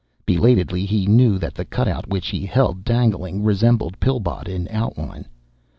Belatedly, he knew that the cutout which he held dangling, resembled Pillbot in outline.